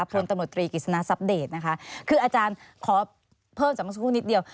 พลลตมตรีกฤษณะซัปเดตนะคะคืออาจารย์ขอเพิ่มจำนวนสู้นิดเดียว